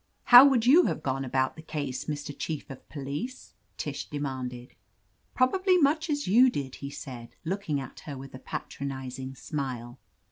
"How would you have gone about the case, Mr. Chief of Police?" Tish demanded. "Probably much as you did," he said, lodk ^ ing at her with a patronizing smile.